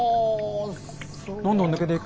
どんどん抜けていく。